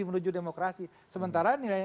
menuju demokrasi sementara